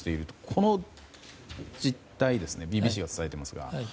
この実態ＢＢＣが伝えていますが。